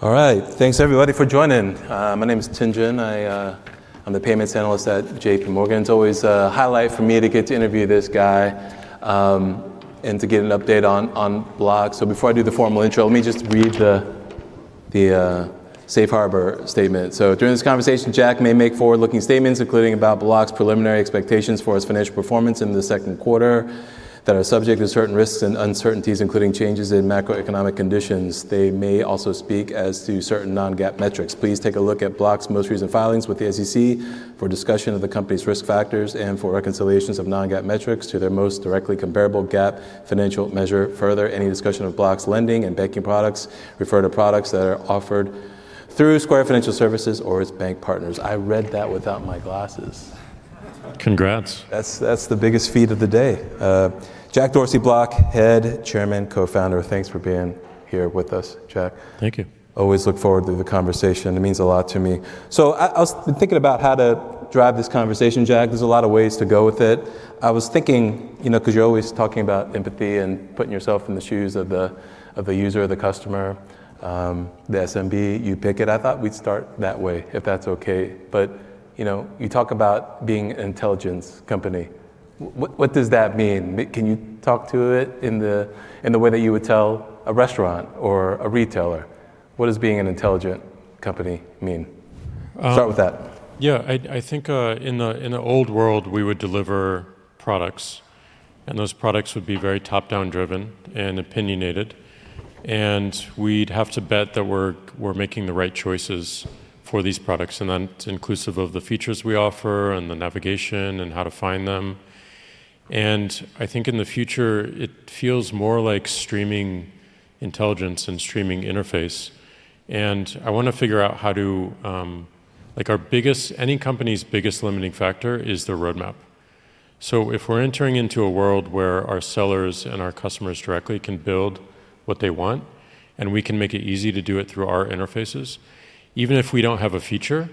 All right. Thanks everybody for joining. My name is Tien-Tsin Huang and I'm the Payments Analyst at J.P. Morgan. It's always a highlight for me to get to interview this guy and to get an update on Block. Before I do the formal intro, let me just read the safe harbor statement. During this conversation, Jack may make forward-looking statements, including about Block's preliminary expectations for its financial performance in the second quarter that are subject to certain risks and uncertainties, including changes in macroeconomic conditions. They may also speak as to certain non-GAAP metrics. Please take a look at Block's most recent filings with the SEC for a discussion of the company's risk factors and for reconciliations of non-GAAP metrics to their most directly comparable GAAP financial measure. Further, any discussion of Block's lending and banking products refer to products that are offered through Square Financial Services or its bank partners. I read that without my glasses. Congrats. That's the biggest feat of the day. Jack Dorsey, Block Head, Chairman, Co-founder, thanks for being here with us, Jack. Thank you. Always look forward to the conversation. It means a lot to me. I was thinking about how to drive this conversation, Jack. There's a lot of ways to go with it. I was thinking, you know, because you're always talking about empathy and putting yourself in the shoes of the user, the customer, the SMB, you pick it. I thought we'd start that way, if that's okay. You know, you talk about being an intelligence company. What does that mean? Can you talk to it in the way that you would tell a restaurant or a retailer? What does being an intelligent company mean? Um- Start with that. I think in the old world, we would deliver products, those products would be very top-down driven and opinionated. We'd have to bet that we're making the right choices for these products, that's inclusive of the features we offer and the navigation and how to find them. I think in the future it feels more like streaming intelligence and streaming interface. I wanna figure out how to Like our biggest, any company's biggest limiting factor is their roadmap. If we're entering into a world where our sellers and our customers directly can build what they want, we can make it easy to do it through our interfaces, even if we don't have a feature,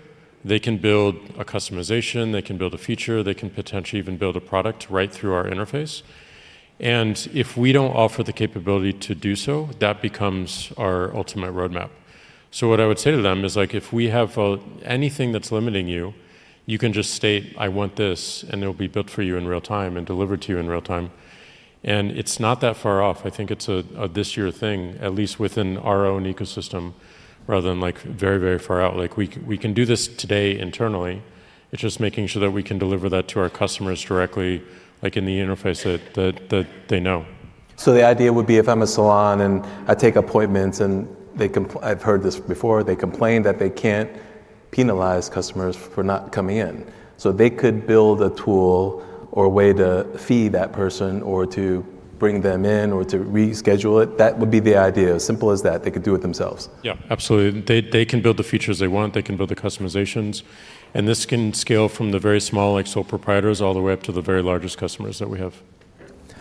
they can build a customization, they can build a feature, they can potentially even build a product right through our interface. If we don't offer the capability to do so, that becomes our ultimate roadmap. What I would say to them is like, if we have anything that's limiting you can just state, "I want this," and it'll be built for you in real time and delivered to you in real time. It's not that far off. I think it's a this year thing, at least within our own ecosystem, rather than like very, very far out. We can do this today internally. It's just making sure that we can deliver that to our customers directly, like in the interface that they know. The idea would be if I'm a salon and I take appointments and I've heard this before, they complain that they can't penalize customers for not coming in. They could build a tool or a way to fee that person or to bring them in or to reschedule it. That would be the idea. Simple as that. They could do it themselves. Yeah. Absolutely. They can build the features they want, they can build the customizations. This can scale from the very small, like sole proprietors, all the way up to the very largest customers that we have.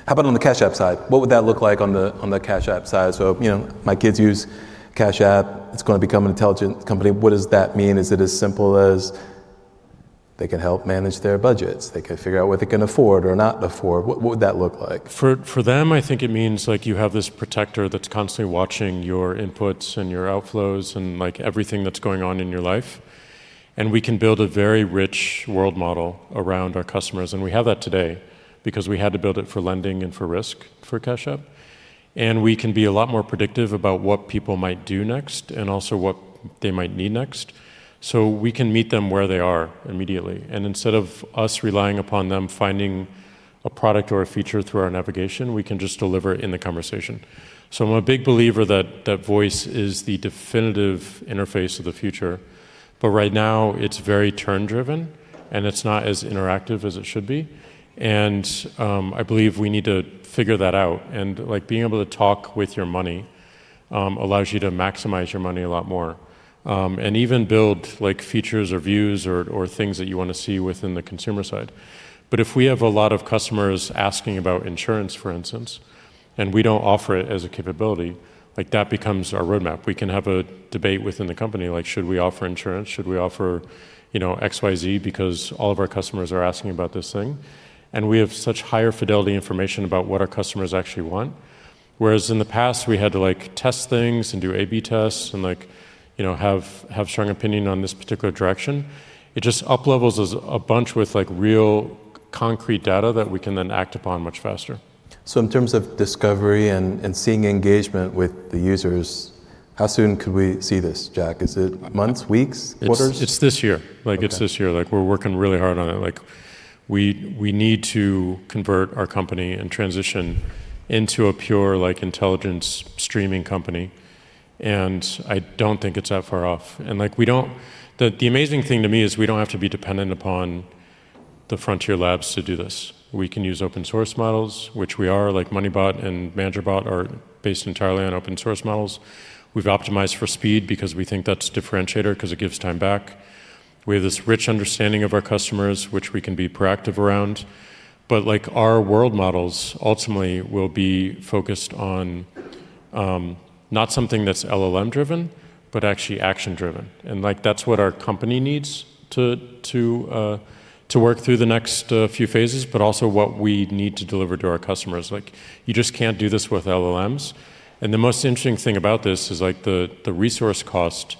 How about on the Cash App side? What would that look like on the Cash App side? You know, my kids use Cash App. It's gonna become an intelligent company. What does that mean? Is it as simple as they can help manage their budgets? They can figure out what they can afford or not afford. What would that look like? For them, I think it means like you have this protector that's constantly watching your inputs and your outflows and like everything that's going on in your life, and we can build a very rich world model around our customers. We have that today because we had to build it for lending and for risk for Cash App. We can be a lot more predictive about what people might do next and also what they might need next, so we can meet them where they are immediately. Instead of us relying upon them finding a product or a feature through our navigation, we can just deliver it in the conversation. I'm a big believer that voice is the definitive interface of the future. Right now it's very turn driven and it's not as interactive as it should be. I believe we need to figure that out. Like being able to talk with your money allows you to maximize your money a lot more and even build like features or views or things that you wanna see within the consumer side. If we have a lot of customers asking about insurance, for instance, and we don't offer it as a capability, like that becomes our roadmap. We can have a debate within the company, like, should we offer insurance? Should we offer, you know, XYZ because all of our customers are asking about this thing? We have such higher fidelity information about what our customers actually want. Whereas in the past we had to like test things and do A/B tests and like, you know, have strong opinion on this particular direction. It just uplevels us a bunch with like real concrete data that we can then act upon much faster. In terms of discovery and seeing engagement with the users, how soon could we see this, Jack? Is it months, weeks, quarters? It's this year. Okay. Like it's this year. Like we're working really hard on it. Like we need to convert our company and transition into a pure like intelligence streaming company. I don't think it's that far off. The amazing thing to me is we don't have to be dependent upon the frontier labs to do this. We can use open source models, which we are, like MoneyBot and Manager Bot are based entirely on open source models. We've optimized for speed because we think that's a differentiator 'cause it gives time back. We have this rich understanding of our customers, which we can be proactive around. Like our world models ultimately will be focused on not something that's LLM driven, but actually action driven. Like that's what our company needs to work through the next few phases, but also what we need to deliver to our customers. Like you just can't do this with LLMs. The most interesting thing about this is like the resource cost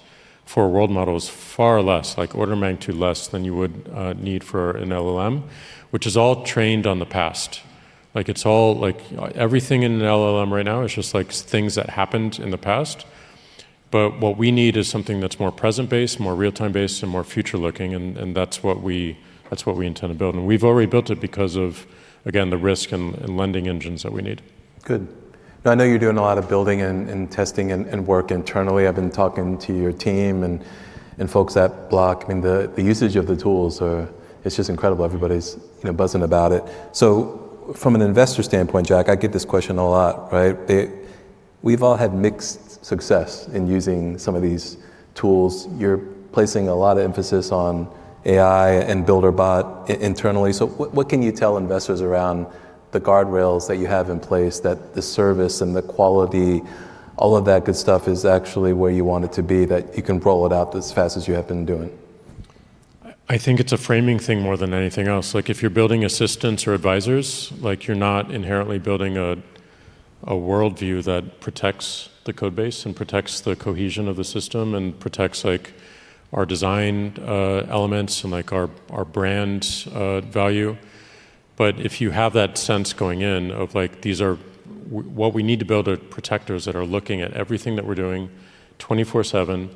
for a world model is far less, like order of magnitude less than you would need for an LLM, which is all trained on the past. Like, it's all, like, everything in an LLM right now is just, like, things that happened in the past. What we need is something that's more present based, more real-time based, and more future looking and that's what we intend to build. We've already built it because of, again, the risk and lending engines that we need. Good. I know you're doing a lot of building and testing and work internally. I've been talking to your team and folks at Block, I mean, the usage of the tools are. It's just incredible. Everybody's, you know, buzzing about it. From an investor standpoint, Jack, I get this question a lot, right? We've all had mixed success in using some of these tools. You're placing a lot of emphasis on AI and Builder Bot internally. What can you tell investors around the guardrails that you have in place that the service and the quality, all of that good stuff, is actually where you want it to be, that you can roll it out as fast as you have been doing? I think it's a framing thing more than anything else. Like, if you're building assistants or advisors, like, you're not inherently building a worldview that protects the code base and protects the cohesion of the system and protects, like, our design elements and, like, our brand's value. If you have that sense going in of, like, these are what we need to build are protectors that are looking at everything that we're doing 24/7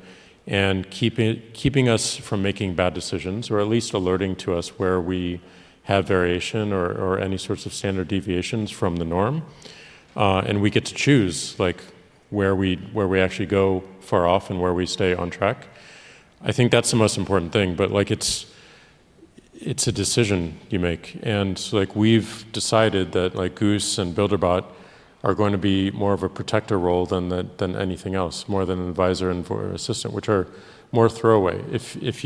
and keeping us from making bad decisions or at least alerting to us where we have variation or any sorts of standard deviations from the norm. We get to choose, like, where we actually go far off and where we stay on track. I think that's the most important thing. Like, it's a decision you make. Like, we've decided that, like, Goose and Builder Bot are going to be more of a protector role than than anything else, more than an advisor and for assistant, which are more throwaway. If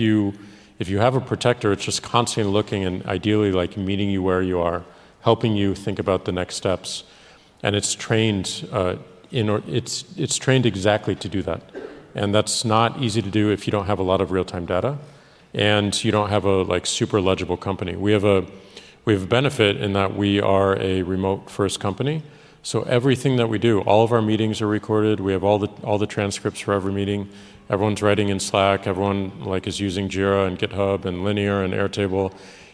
you have a protector, it's just constantly looking and ideally, like, meeting you where you are, helping you think about the next steps, and it's trained exactly to do that, and that's not easy to do if you don't have a lot of real-time data and you don't have a, like, super legible company. We have a, we have a benefit in that we are a remote-first company. Everything that we do, all of our meetings are recorded. We have all the transcripts for every meeting. Everyone's writing in Slack. Everyone is using Jira and GitHub and Linear and Airtable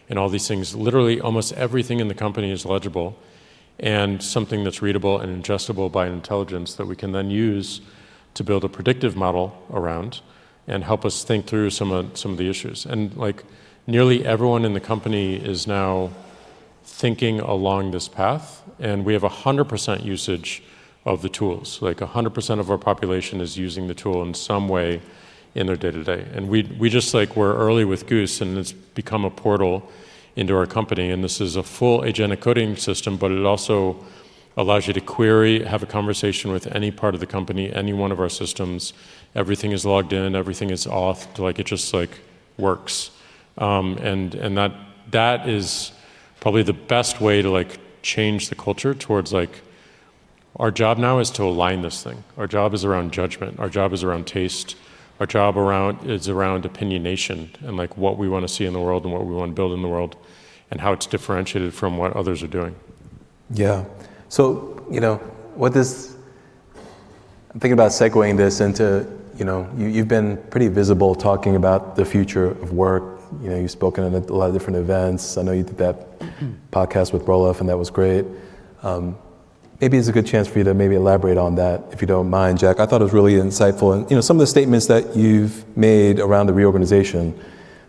and all these things. Literally, almost everything in the company is legible and something that's readable and ingestible by an intelligence that we can then use to build a predictive model around and help us think through some of the issues. Nearly everyone in the company is now thinking along this path, and we have 100% usage of the tools. 100% of our population is using the tool in some way in their day-to-day. We're early with Goose, and it's become a portal into our company, and this is a full agentic coding system, but it also allows you to query, have a conversation with any part of the company, any one of our systems. Everything is logged in. Everything is auth-ed to, it just, like, works. That is probably the best way to, like, change the culture towards, like, our job now is to align this thing. Our job is around judgment. Our job is around taste. Our job is around opinionation and, like, what we wanna see in the world and what we wanna build in the world and how it's differentiated from what others are doing. Yeah. you know, what does I'm thinking about segueing this into, you know, you've been pretty visible talking about the future of work. You know, you've spoken at a lot of different events. I know you did that podcast with Roelof Botha, and that was great. Maybe it's a good chance for you to maybe elaborate on that, if you don't mind, Jack. I thought it was really insightful and, you know, some of the statements that you've made around the reorganization,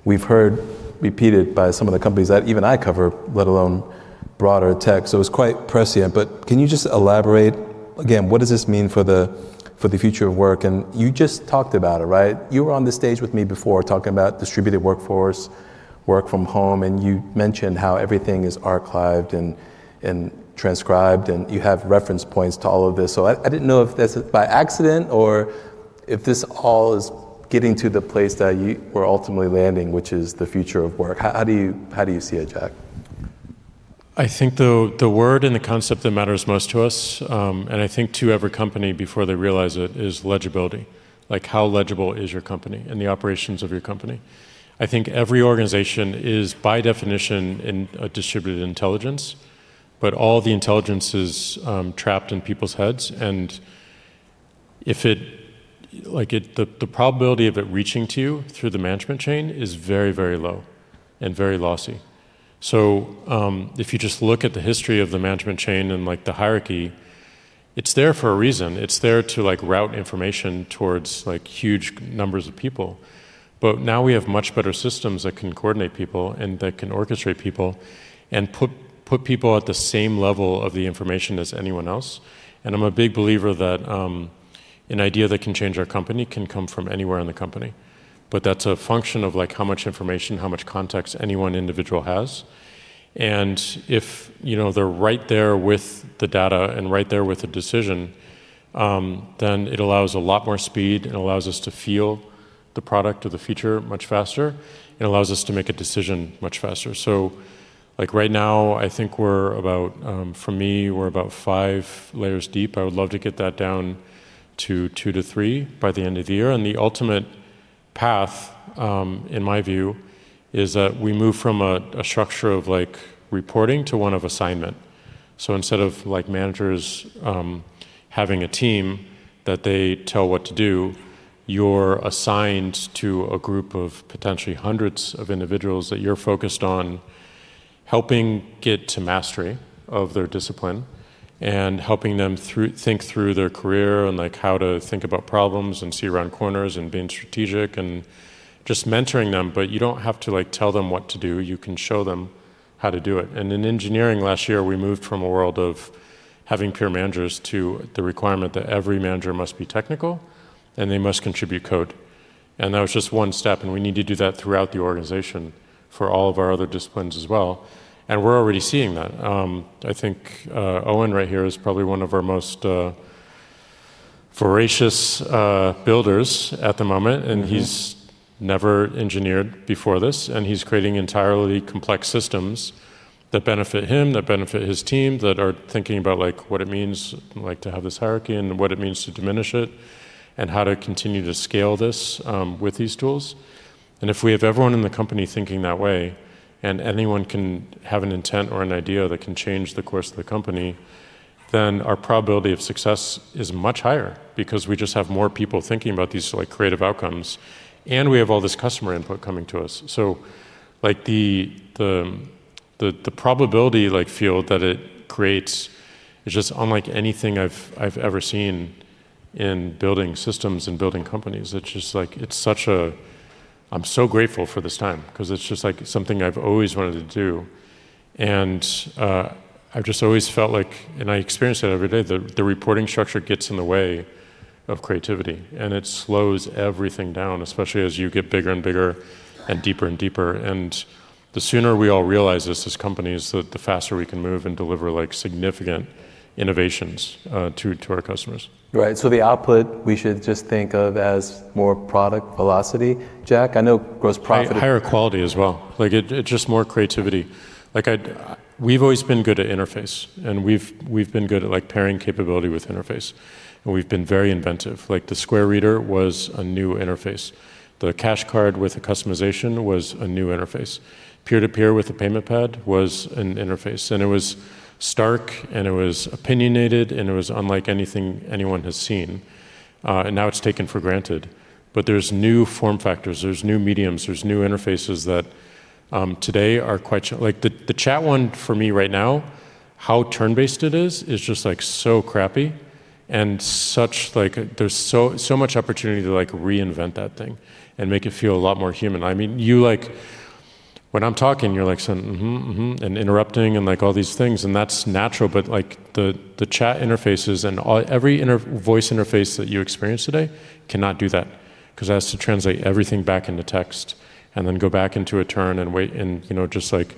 we've heard repeated by some of the companies that even I cover, let alone broader tech, so it's quite prescient. Can you just elaborate again, what does this mean for the future of work? You just talked about it, right? You were on the stage with me before talking about distributed workforce, work from home, and you mentioned how everything is archived and transcribed, and you have reference points to all of this. I didn't know if this is by accident or if this all is getting to the place that we're ultimately landing, which is the future of work. How do you see it, Jack? I think the word and the concept that matters most to us, and I think to every company before they realize it, is legibility. Like, how legible is your company and the operations of your company? I think every organization is, by definition, in a distributed intelligence, but all the intelligence is trapped in people's heads. And if the probability of it reaching to you through the management chain is very, very low and very lossy. If you just look at the history of the management chain and, like, the hierarchy, it's there for a reason. It's there to, like, route information towards, like, huge numbers of people. Now we have much better systems that can coordinate people and that can orchestrate people and put people at the same level of the information as anyone else. I'm a big believer that an idea that can change our company can come from anywhere in the company, but that's a function of, like, how much information, how much context any one individual has. If, you know, they're right there with the data and right there with the decision, it allows a lot more speed and allows us to feel the product or the feature much faster, and allows us to make a decision much faster. Like, right now, I think we're about, for me, we're about five layers deep. I would love to get that down to 2-3 by the end of the year. The ultimate path, in my view, is that we move from a structure of like reporting to one of assignment. Instead of like managers, having a team that they tell what to do, you're assigned to a group of potentially hundreds of individuals that you're focused on helping get to mastery of their discipline, and helping them through, think through their career and like how to think about problems, and see around corners, and being strategic, and just mentoring them. You don't have to like tell them what to do, you can show them how to do it. In engineering last year, we moved from a world of having peer managers to the requirement that every manager must be technical and they must contribute code, and that was just one step, and we need to do that throughout the organization for all of our other disciplines as well, and we're already seeing that. I think Owen right here is probably one of our most voracious builders at the moment. He's never engineered before this, he's creating entirely complex systems that benefit him, that benefit his team, that are thinking about like what it means like to have this hierarchy, and what it means to diminish it, and how to continue to scale this with these tools. If we have everyone in the company thinking that way, and anyone can have an intent or an idea that can change the course of the company, then our probability of success is much higher because we just have more people thinking about these like creative outcomes, and we have all this customer input coming to us. Like the probability like field that it creates is just unlike anything I've ever seen in building systems and building companies. It's just like, it's such a I'm so grateful for this time 'cause it's just like something I've always wanted to do. I've just always felt like, and I experience it every day, the reporting structure gets in the way of creativity and it slows everything down, especially as you get bigger and bigger, and deeper and deeper. The sooner we all realize this as companies, the faster we can move and deliver like significant innovations to our customers. Right. The output we should just think of as more product velocity, Jack? I know gross profit- Higher quality as well. Like it, just more creativity. Like we've always been good at interface, and we've been good at like pairing capability with interface, and we've been very inventive. Like the Square Reader was a new interface. The Cash Card with the customization was a new interface. Peer-to-peer with the payment pad was an interface, and it was stark, and it was opinionated, and it was unlike anything anyone has seen. Now it's taken for granted. There's new form factors, there's new mediums, there's new interfaces that today are quite Like the chat one for me right now, how turn-based it is just like so crappy and such like There's so much opportunity to like reinvent that thing and make it feel a lot more human. I mean, you like When I'm talking you're like saying, "Mm-hmm, mm-hmm," and interrupting, and like all these things, and that's natural. Like the chat interfaces and all, every voice interface that you experience today cannot do that 'cause it has to translate everything back into text, and then go back into a turn and wait and, you know, just like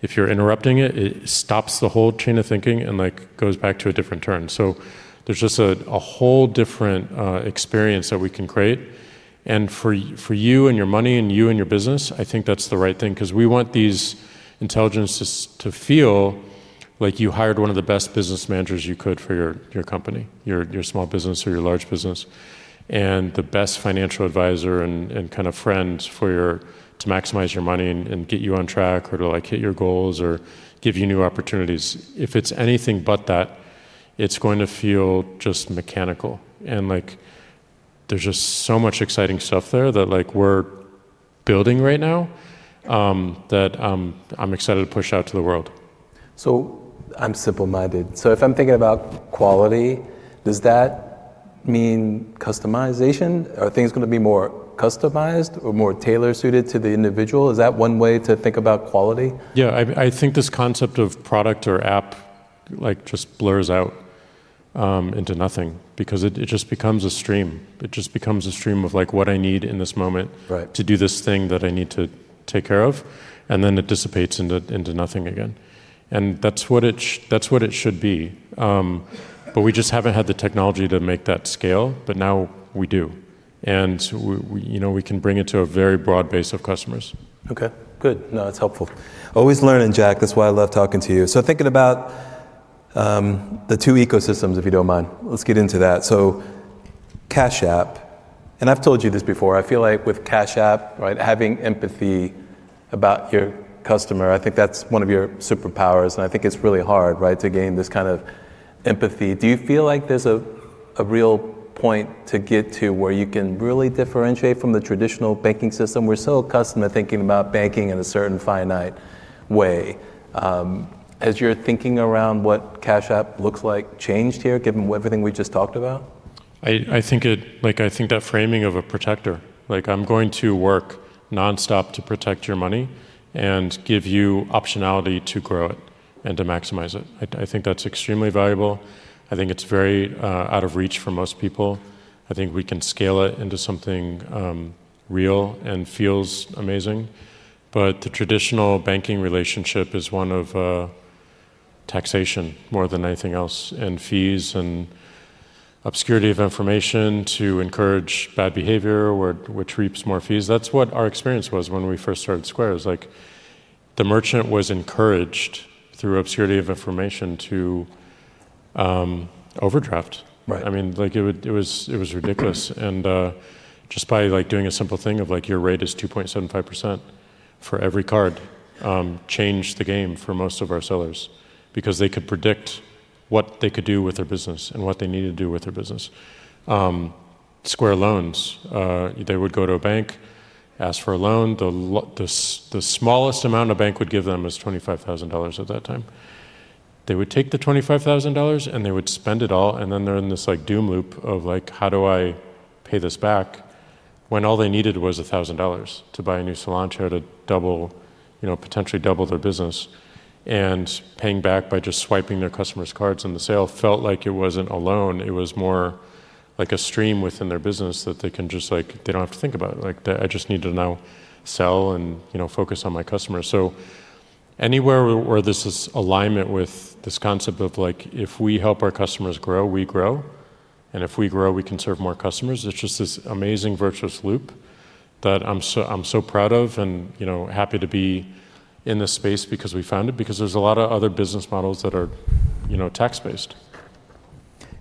if you're interrupting it stops the whole chain of thinking and like goes back to a different turn. There's just a whole different experience that we can create. For, for you and your money, and you and your business, I think that's the right thing 'cause we want these intelligences to feel like you hired one of the best business managers you could for your company, your small business or your large business, and the best financial advisor and kind of friend for your, to maximize your money and get you on track, or to like hit your goals, or give you new opportunities. If it's anything but that, it's going to feel just mechanical. Like there's just so much exciting stuff there that like we're building right now, that, I'm excited to push out to the world. I'm simple-minded. If I'm thinking about quality, does that mean customization? Are things going to be more customized or more tailor suited to the individual? Is that one way to think about quality? Yeah. I think this concept of product or app like just blurs out into nothing because it just becomes a stream. It just becomes a stream of like what I need in this moment. Right to do this thing that I need to take care of, and then it dissipates into nothing again, and that's what it should be. We just haven't had the technology to make that scale, but now we do, and we, you know, we can bring it to a very broad base of customers. Good. No, that's helpful. Always learning, Jack. That's why I love talking to you. Thinking about the two ecosystems, if you don't mind. Let's get into that. Cash App, and I've told you this before, I feel like with Cash App, right, having empathy about your customer, I think that's one of your superpowers, and I think it's really hard, right, to gain this kind of empathy. Do you feel like there's a real point to get to where you can really differentiate from the traditional banking system? We're so accustomed to thinking about banking in a certain finite way. Has your thinking around what Cash App looks like changed here given everything we just talked about? I think it, like I think that framing of a protector, like I'm going to work nonstop to protect your money and give you optionality to grow it and to maximize it. I think that's extremely valuable. I think it's very out of reach for most people. I think we can scale it into something real and feels amazing. The traditional banking relationship is one of taxation more than anything else, and fees, and obscurity of information to encourage bad behavior where, which reaps more fees. That's what our experience was when we first started Square, is like the merchant was encouraged through obscurity of information to overdraft. Right. I mean, like, it was ridiculous. Just by, like, doing a simple thing of, like, your rate is 2.75% for every card, changed the game for most of our sellers because they could predict what they could do with their business and what they needed to do with their business. Square Loans, they would go to a bank, ask for a loan. The smallest amount a bank would give them was $25,000 at that time. They would take the $25,000, and they would spend it all, and then they're in this, like, doom loop of, like, how do I pay this back, when all they needed was $1,000 to buy a new salon chair to double, you know, potentially double their business. Paying back by just swiping their customer's cards on the sale felt like it wasn't a loan. It was more like a stream within their business that they can just, like, they don't have to think about it. I just need to now sell and, you know, focus on my customers. Anywhere where this is alignment with this concept of, like, if we help our customers grow, we grow, and if we grow, we can serve more customers, it's just this amazing virtuous loop that I'm so proud of and, you know, happy to be in this space because we found it because there's a lot of other business models that are, you know, tech-based.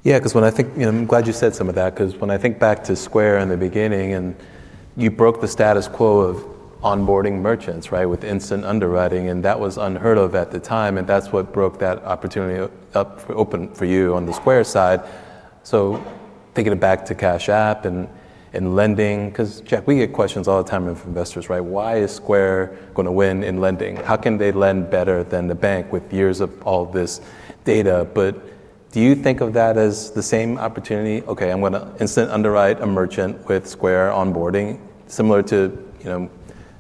Yeah, 'cause when I think, you know, I'm glad you said some of that 'cause when I think back to Square in the beginning, and you broke the status quo of onboarding merchants, right, with instant underwriting, and that was unheard of at the time, and that's what broke that opportunity open for you on the Square side. Thinking back to Cash App and lending, 'cause Jack, we get questions all the time from investors, right? Why is Square gonna win in lending? How can they lend better than the bank with years of all this data? Do you think of that as the same opportunity? Okay, I'm gonna instant underwrite a merchant with Square onboarding similar to, you know,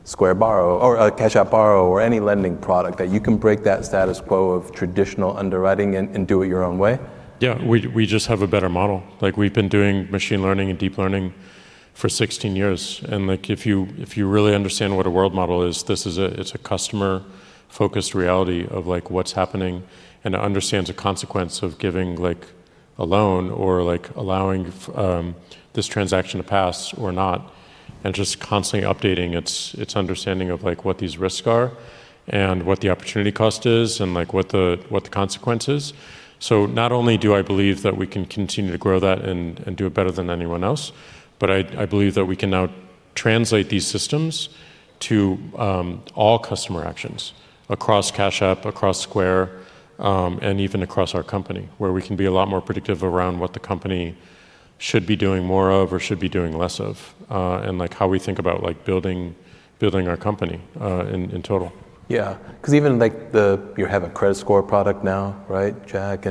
Square Loans or a Cash App Borrow or any lending product that you can break that status quo of traditional underwriting and do it your own way? Yeah. We just have a better model. Like, we've been doing machine learning and deep learning for 16 years, and, like, if you really understand what a world model is, it's a customer-focused reality of, like, what's happening, and it understands the consequence of giving, like, a loan or, like, allowing this transaction to pass or not, and just constantly updating its understanding of, like, what these risks are and what the opportunity cost is and, like, what the consequence is. Not only do I believe that we can continue to grow that and do it better than anyone else, but I believe that we can now translate these systems to all customer actions across Cash App, across Square, and even across our company, where we can be a lot more predictive around what the company should be doing more of or should be doing less of, and, like, how we think about, like, building our company, in total. Yeah, 'cause even, like, you have a credit score product now, right, Jack?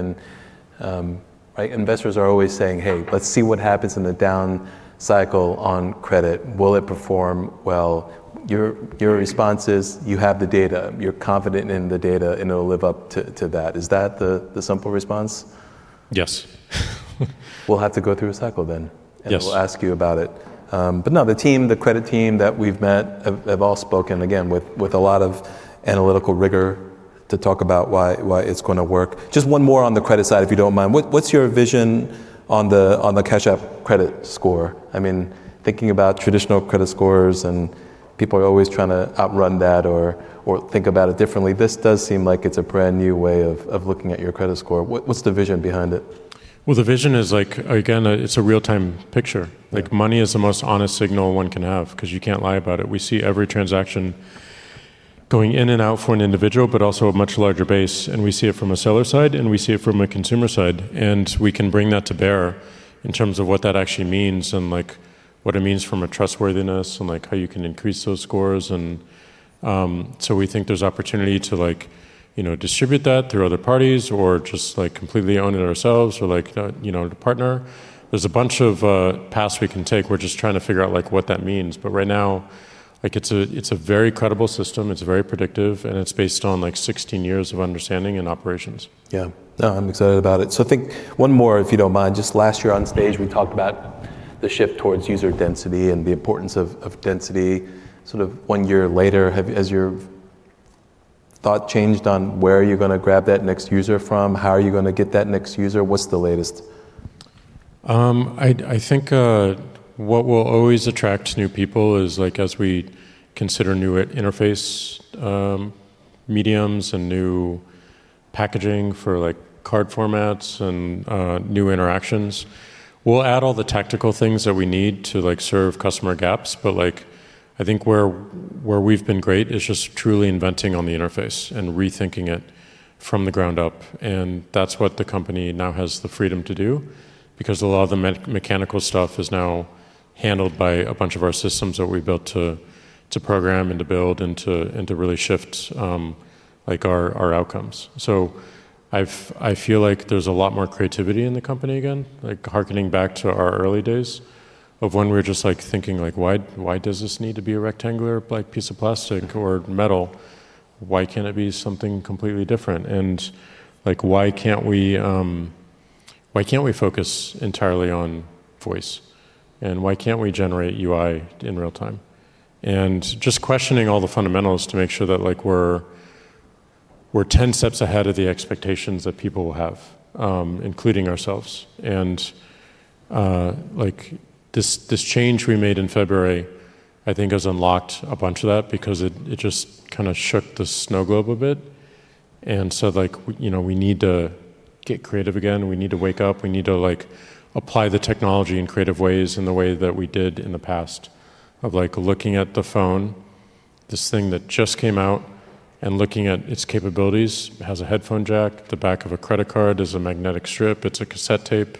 Right, investors are always saying, "Hey, let's see what happens in the down cycle on credit. Will it perform well?" Your response is you have the data. You're confident in the data, and it'll live up to that. Is that the simple response? Yes. We'll have to go through a cycle then. Yes and we'll ask you about it. The team, the credit team that we've met have all spoken, again, with a lot of analytical rigor to talk about why it's gonna work. Just one more on the credit side, if you don't mind. What, what's your vision on the, on the Cash App credit score? I mean, thinking about traditional credit scores, and people are always trying to outrun that or think about it differently. This does seem like it's a brand-new way of looking at your credit score. What, what's the vision behind it? Well, the vision is, like, again, it's a real-time picture. Like, money is the most honest signal one can have cause you can't lie about it. We see every transaction going in and out for an individual but also a much larger base, and we see it from a seller side, and we see it from a consumer side. We can bring that to bear in terms of what that actually means and, like, what it means from a trustworthiness and, like, how you can increase those scores. We think there's opportunity to, like, you know, distribute that through other parties or just, like, completely own it ourselves or, like, you know, to partner. There's a bunch of paths we can take. We're just trying to figure out, like, what that means. Right now, like, it's a very credible system, it's very predictive, and it's based on, like, 16 years of understanding and operations. Yeah. No, I'm excited about it. I think one more, if you don't mind. Just last year on stage, we talked about the shift towards user density and the importance of density. Sort of one year later, has your thought changed on where you're gonna grab that next user from? How are you gonna get that next user? What's the latest? I think, what will always attract new people is, like, as we consider new interface, mediums and new packaging for, like, card formats and new interactions. We'll add all the tactical things that we need to, like, serve customer gaps. I think where we've been great is just truly inventing on the interface and rethinking it from the ground up, and that's what the company now has the freedom to do because a lot of the mechanical stuff is now handled by a bunch of our systems that we built to program and to build and to really shift, like, our outcomes. I feel like there's a lot more creativity in the company again, like hearkening back to our early days of when we were just, like, thinking, like, "Why, why does this need to be a rectangular, like, piece of plastic or metal? Why can't it be something completely different? Like, why can't we, why can't we focus entirely on voice? Why can't we generate UI in real time?" Just questioning all the fundamentals to make sure that, like, we're 10 steps ahead of the expectations that people will have, including ourselves. Like this change we made in February I think has unlocked a bunch of that because it just kind of shook the snow globe a bit. Like, you know, we need to get creative again. We need to wake up. We need to like apply the technology in creative ways in the way that we did in the past of like looking at the phone, this thing that just came out, and looking at its capabilities. It has a headphone jack, the back of a credit card, there's a magnetic strip, it's a cassette tape,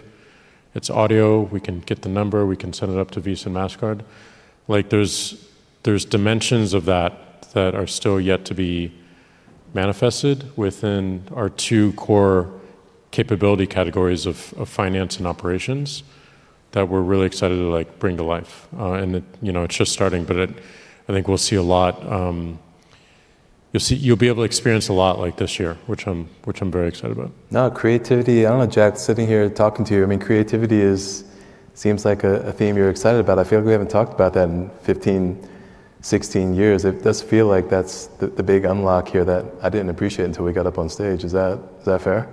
it's audio, we can get the number, we can set it up to Visa and Mastercard. Like, there's dimensions of that that are still yet to be manifested within our two core capability categories of finance and operations that we're really excited to like bring to life. It, you know, it's just starting, but I think we'll see a lot, you'll be able to experience a lot like this year, which I'm very excited about. Creativity, I don't know, Jack, sitting here talking to you, I mean, creativity seems like a theme you're excited about. I feel like we haven't talked about that in 15, 16 years. It does feel like that's the big unlock here that I didn't appreciate until we got up on stage. Is that fair?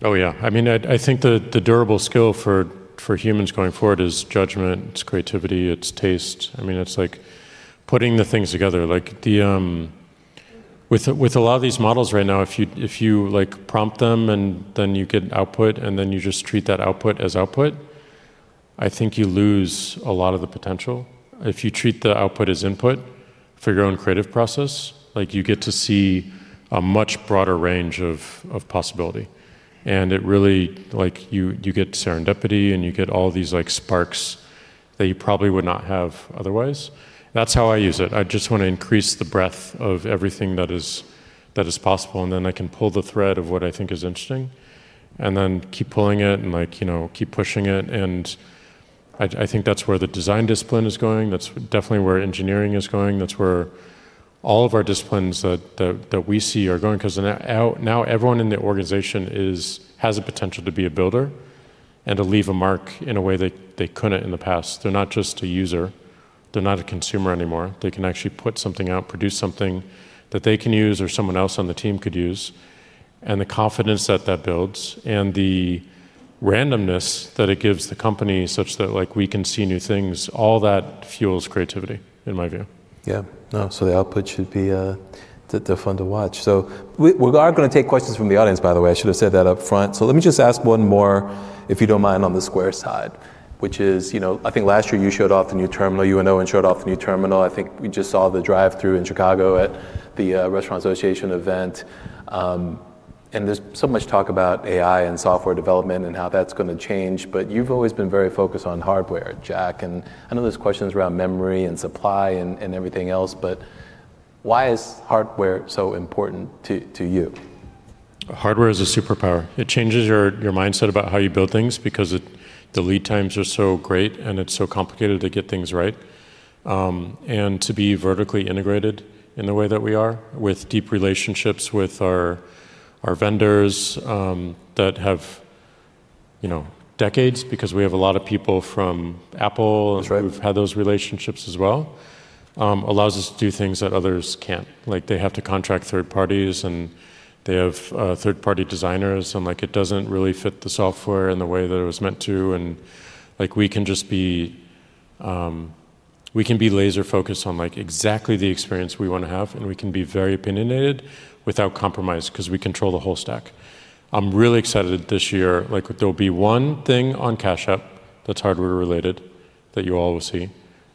Yeah. I mean, I think the durable skill for humans going forward is judgment, it's creativity, it's taste. I mean, it's like putting the things together. With a lot of these models right now, if you like prompt them and then you get an output, and then you just treat that output as output, I think you lose a lot of the potential. If you treat the output as input for your own creative process, like you get to see a much broader range of possibility. It really, like you get serendipity and you get all these like sparks that you probably would not have otherwise. That's how I use it. I just wanna increase the breadth of everything that is possible, and then I can pull the thread of what I think is interesting and then keep pulling it and like, you know, keep pushing it. I think that's where the design discipline is going. That's definitely where engineering is going. That's where all of our disciplines that we see are going 'cause now everyone in the organization has a potential to be a builder and to leave a mark in a way that they couldn't in the past. They're not just a user. They're not a consumer anymore. They can actually put something out, produce something that they can use or someone else on the team could use. The confidence that that builds and the randomness that it gives the company such that like we can see new things, all that fuels creativity, in my view. Yeah. No, they're fun to watch. We are gonna take questions from the audience, by the way. I should have said that up front. Let me just ask one more, if you don't mind, on the Square side, which is, you know, I think last year you showed off the new terminal. You and Owen showed off the new terminal. I think we just saw the drive-through in Chicago at the National Restaurant Association event. There's so much talk about AI and software development and how that's gonna change, you've always been very focused on hardware, Jack. I know there's questions around memory and supply and everything else, why is hardware so important to you? Hardware is a superpower. It changes your mindset about how you build things because the lead times are so great and it's so complicated to get things right. To be vertically integrated in the way that we are with deep relationships with our vendors, you know, that have decades because we have a lot of people from Apple. That's right. We've had those relationships as well, allows us to do things that others can't. Like, they have to contract third parties, they have third-party designers, and like it doesn't really fit the software in the way that it was meant to. Like, we can just be, we can be laser focused on like exactly the experience we wanna have, and we can be very opinionated without compromise 'cause we control the whole stack. I'm really excited this year. Like, there'll be one thing on Cash App that's hardware related that you all will see,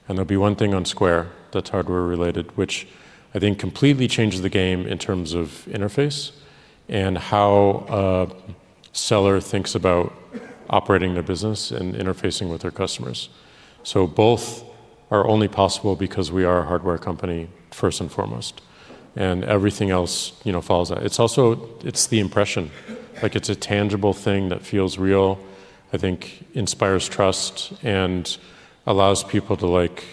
and there'll be one thing on Square that's hardware related, which I think completely changes the game in terms of interface and how a seller thinks about operating their business and interfacing with their customers. Both are only possible because we are a hardware company first and foremost, and everything else, you know, follows that. It's also the impression. Like it's a tangible thing that feels real, I think inspires trust and allows people to like,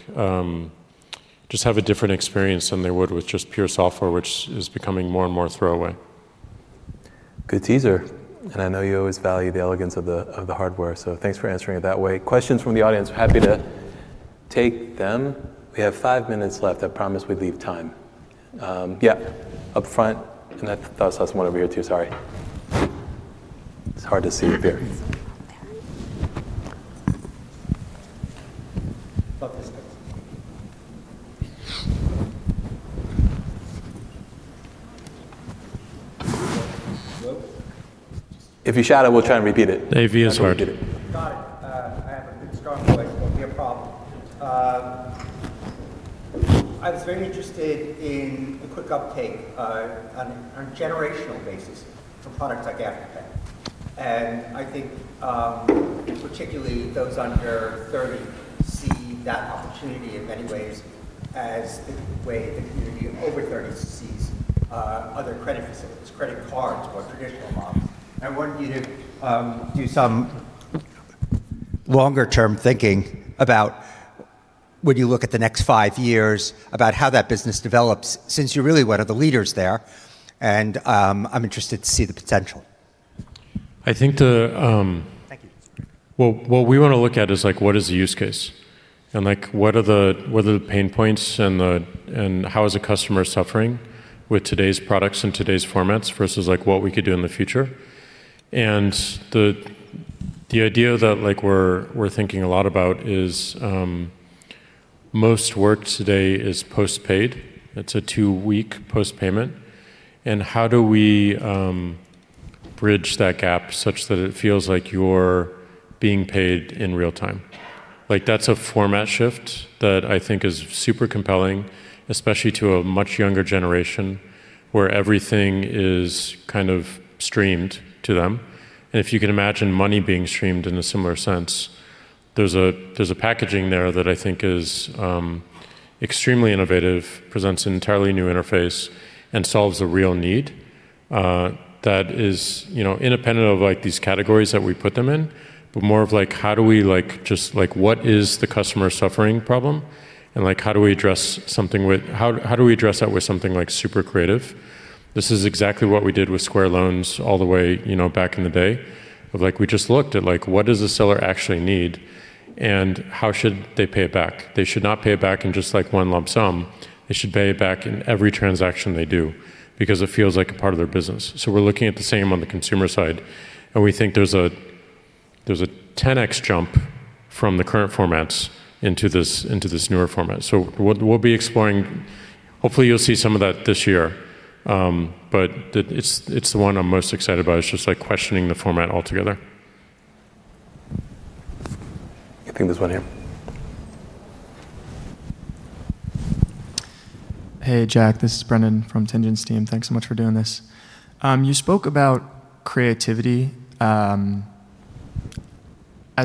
just have a different experience than they would with just pure software, which is becoming more and more throwaway. Good teaser. I know you always value the elegance of the hardware, so thanks for answering it that way. Questions from the audience. Happy to take them. We have five minutes left. I promised we'd leave time. Yeah, up front. I thought I saw someone over here too, sorry. It's hard to see up here. There is someone up there. If you shout, I will try and repeat it. AV is hard. I can repeat it. Got it. I have a big, strong voice. It won't be a problem. I was very interested in the quick uptake on a generational basis for products like Afterpay. I think, particularly those under 30 see that opportunity in many ways as the way the community of over 30s sees other credit facilities, credit cards or traditional models. I wondered if you'd do some longer term thinking about when you look at the next five years about how that business develops since you really one of the leaders there and I'm interested to see the potential. I think the, um- Thank you. Well, what we want to look at is like what is the use case? Like what are the pain points and how is the customer suffering with today's products and today's formats versus like what we could do in the future? The idea that like we're thinking a lot about is most work today is post-paid. It's a two-week post payment. How do we bridge that gap such that it feels like you're being paid in real time? Like, that's a format shift that I think is super compelling, especially to a much younger generation where everything is kind of streamed to them. If you can imagine money being streamed in a similar sense, there's a packaging there that I think is extremely innovative, presents an entirely new interface, and solves a real need that is, you know, independent of like these categories that we put them in, but more of like how do we like just like what is the customer suffering problem, and like how do we address that with something like super creative? This is exactly what we did with Square Loans all the way, you know, back in the day. We just looked at like what does a seller actually need and how should they pay it back? They should not pay it back in just like one lump sum. They should pay it back in every transaction they do because it feels like a part of their business. We're looking at the same on the consumer side, we think there's a 10x jump from the current formats into this newer format. Hopefully you'll see some of that this year. It's the one I'm most excited about. It's just like questioning the format altogether. I think there's one here. Hey, Jack. This is Brendan from Tendence Team. Thanks so much for doing this. You spoke about creativity, as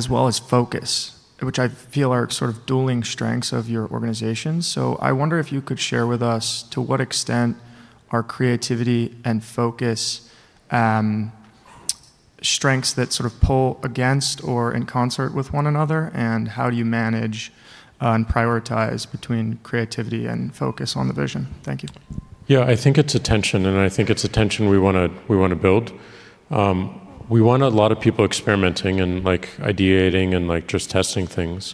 well as focus, which I feel are sort of dueling strengths of your organization. I wonder if you could share with us to what extent are creativity and focus, strengths that sort of pull against or in concert with one another, and how you manage and prioritize between creativity and focus on the vision. Thank you. Yeah, I think it's a tension, and I think it's a tension we wanna, we wanna build. We want a lot of people experimenting and like ideating and like just testing things,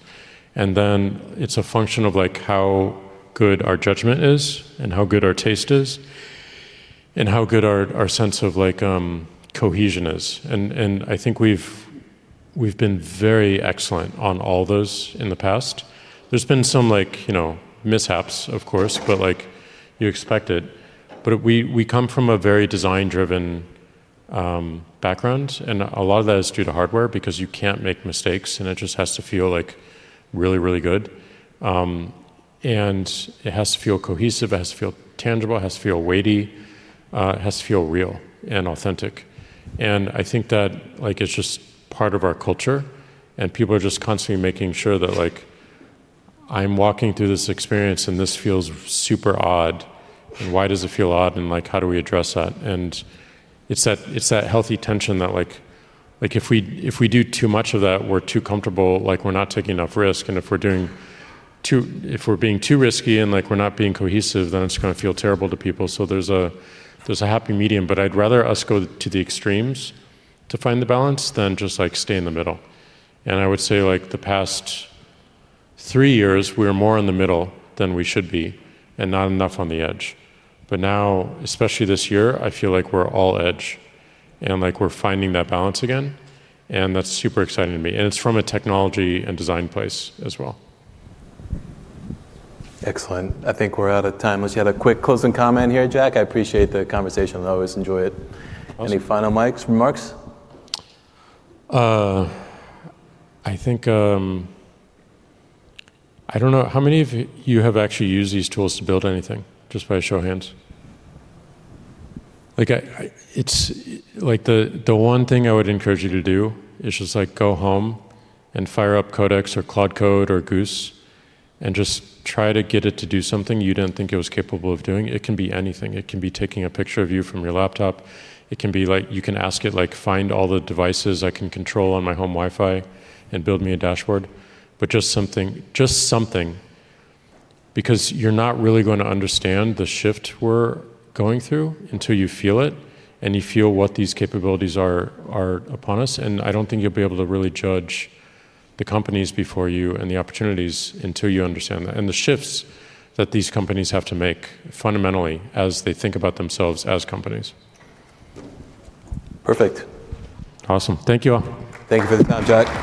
and then it's a function of like how good our judgment is and how good our taste is and how good our sense of like cohesion is. I think we've been very excellent on all those in the past. There's been some like, you know, mishaps of course, but like you expect it. We come from a very design-driven background, and a lot of that is due to hardware because you can't make mistakes, and it just has to feel like really, really good. It has to feel cohesive, it has to feel tangible, it has to feel weighty, it has to feel real and authentic. I think that like it's just part of our culture and people are just constantly making sure that like, "I'm walking through this experience and this feels super odd, and why does it feel odd, and like how do we address that?" It's that, it's that healthy tension that like if we do too much of that, we're too comfortable, like we're not taking enough risk, and if we're being too risky and like we're not being cohesive, then it's gonna feel terrible to people. There's a, there's a happy medium. I'd rather us go to the extremes to find the balance than just like stay in the middle. I would say like the past three years we were more in the middle than we should be and not enough on the edge. Now, especially this year, I feel like we're all edge and like we're finding that balance again, and that's super exciting to me, and it's from a technology and design place as well. Excellent. I think we're out of time. Unless you had a quick closing comment here, Jack? I appreciate the conversation. I always enjoy it. Awesome. Any final mics, remarks? I think, I don't know, how many of you have actually used these tools to build anything? Just by a show of hands. Like the one thing I would encourage you to do is just like go home and fire up Codex or Cloud Code or Goose and just try to get it to do something you didn't think it was capable of doing. It can be anything. It can be taking a picture of you from your laptop. It can be like you can ask it like, "Find all the devices I can control on my home Wi-Fi and build me a dashboard." Just something, just something. You're not really going to understand the shift we're going through until you feel it and you feel what these capabilities are upon us, and I don't think you'll be able to really judge the companies before you and the opportunities until you understand that, and the shifts that these companies have to make fundamentally as they think about themselves as companies. Perfect. Awesome. Thank you all. Thank you for the time, Jack.